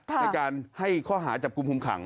ในการให้ข้อหาจับกลุ่มคุมขัง